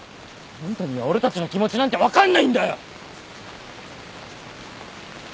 あんたには俺たちの気持ちなんて分かんないんだよ！